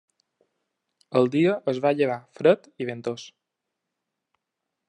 El dia es va llevar fred i ventós.